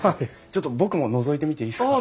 ちょっと僕ものぞいてみていいですか？